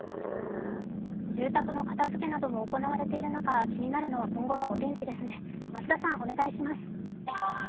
住宅の片づけなども行われている中、気になるのは今後のお天気ですね増田さん、お願いします。